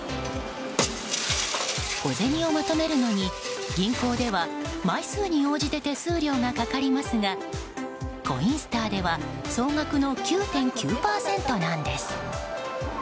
小銭を求めるのに銀行では枚数に応じて手数料がかかりますがコインスターでは総額の９．９％なんです。